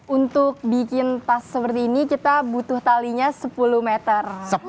untuk bikin tas seperti ini kita butuh talinya sepuluh meter